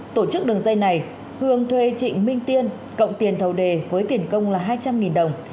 tổ chức đường dây này hương thuê trịnh minh tiên cộng tiền thầu đề với tiền công là hai trăm linh đồng